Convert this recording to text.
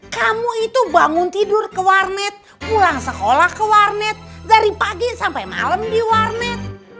kamu itu bangun tidur ke warnet pulang sekolah ke warnet dari pagi sampai malam di warnet